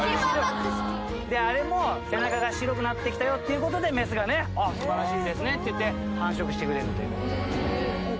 あれも背中が白くなってきたよっていうことで、雌がね、すばらしいですねっていって、繁殖してくれるということで。